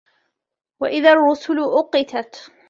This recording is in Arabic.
وَإِذَا الرُّسُلُ أُقِّتَتْ